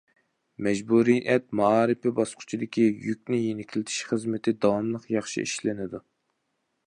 مەجبۇرىيەت مائارىپى باسقۇچىدىكى يۈكنى يېنىكلىتىش خىزمىتى داۋاملىق ياخشى ئىشلىنىدۇ.